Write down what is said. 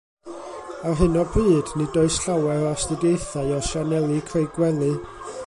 Ar hyn o bryd, nid oes llawer o astudiaethau o sianeli creigwely